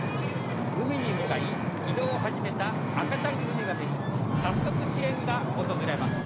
「海にむかい移動をはじめた赤ちゃんウミガメにさっそく試練がおとずれます」。